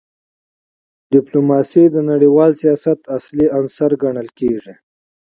ډیپلوماسي د نړیوال سیاست اصلي عنصر ګڼل کېږي.